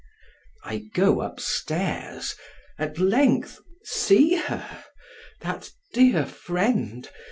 I go up stairs, at length see her! that dear friend!